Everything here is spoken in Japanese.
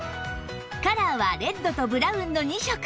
カラーはレッドとブラウンの２色